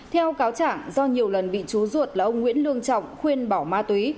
theo cáo chẳng do nhiều lần bị chú ruột là ông nguyễn lương trọng khuyên bỏ ma túy